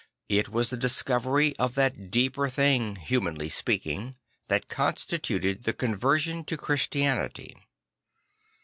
I t was the discovery of that deeper thing, humanly speaking, that constituted the conversion to Christianity.